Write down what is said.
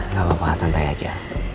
gak apa apa santai aja